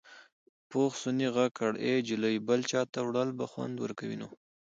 پوخ سنې غږ کړ ای جلۍ بل چاته وړل به خوند ورکوي نو.